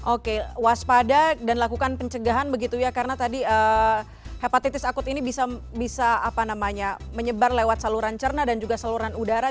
oke waspada dan lakukan pencegahan begitu ya karena tadi hepatitis akut ini bisa menyebar lewat saluran cerna dan juga saluran udara